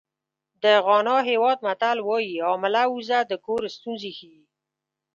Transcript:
د غانا هېواد متل وایي حامله اوزه د کور ستونزې ښیي.